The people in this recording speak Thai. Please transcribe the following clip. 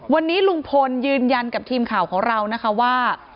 วันนี้ลุงพลยืนยันกับทีมข่าวของเรานะคะว่า